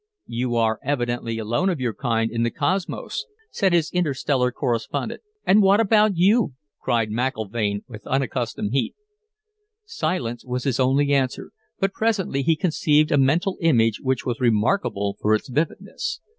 "You are evidently alone of your kind in the cosmos," said his interstellar correspondent. "And what about you?" cried McIlvaine with unaccustomed heat. Silence was his only answer, but presently he conceived a mental image which was remarkable for its vividness.